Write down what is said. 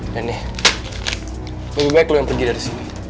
dan nih lebih baik lo yang pergi dari sini